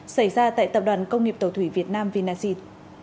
xảy ra tại tập đoàn công nghiệp tàu thủy việt nam vinasin